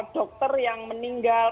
dokter yang meninggal